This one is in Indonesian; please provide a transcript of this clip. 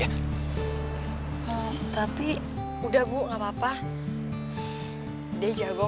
kita masih heath juga ya